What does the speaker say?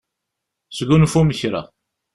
Sgunfum kra.